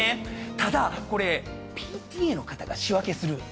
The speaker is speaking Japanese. ただこれＰＴＡの方が仕分けする。